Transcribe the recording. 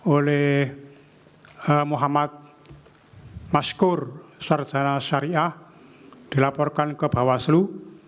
oleh muhammad maskur sarjana syariah dilaporkan ke bawaslu